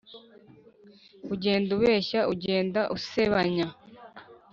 Ugenda ubeshya ugenda usebanya